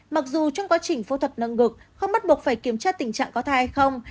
mặc dù trong quá trình phẫu thuật nâng ngực không bắt buộc phải kiểm tra tình trạng có thai hay không